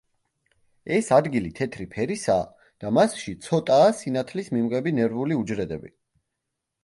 ეს ადგილი თეთრი ფერისაა და მასში ცოტაა სინათლის მიმღები ნერვული უჯრედები.